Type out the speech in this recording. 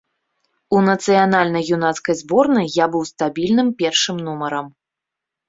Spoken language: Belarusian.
У нацыянальнай юнацкай зборнай я быў стабільным першым нумарам.